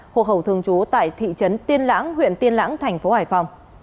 hồ khẩu thường trú tại thị trấn tiên lãng huyện tiên lãng tp hải phòng